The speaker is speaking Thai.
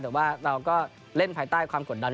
แต่ว่าเราก็เล่นภายใต้ความกดดัน